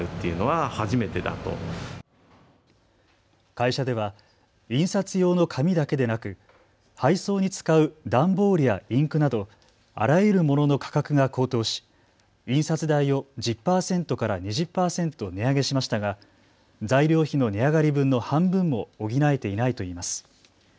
会社では印刷用の紙だけでなく配送に使う段ボールやインクなどあらゆるものの価格が高騰し印刷代を１０％から２０％値上げしましたが材料費の値上がり分の半分も補えていないといいます。